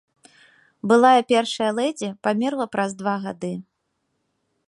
Былая першая лэдзі памерла праз два гады.